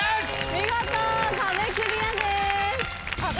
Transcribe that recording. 見事壁クリアです！